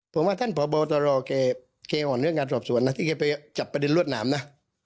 ผมว่าท่านพบตรแกห่อนเรื่องงานสอบสวนนะที่แกไปจับประเด็นรวดหนามนะ